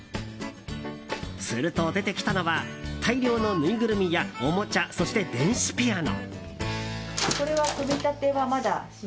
すると、出てきたのは大量のぬいぐるみや、おもちゃそして電子ピアノ。